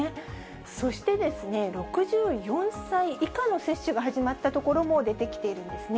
そして、６４歳以下の接種が始まった所も出てきているんですね。